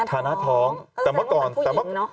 ถ้าพย้องก็คือแสดงว่าแบบผู้หญิงเนอะ